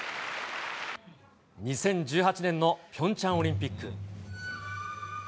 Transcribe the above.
２０１８年のピョンチャンオリンピック。